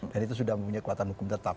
dan itu sudah mempunyai kekuatan hukum tetap